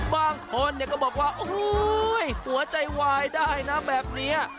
บางคนก็บอกว่าหัวใจวายได้นะแบบนี้